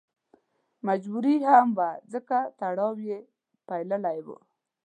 مجبوري هم وه ځکه تړاو یې پېیلی و.